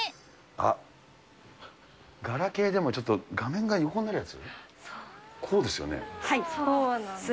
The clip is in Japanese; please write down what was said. あっ、ガラケーでもちょっと、画面が横になるやつ？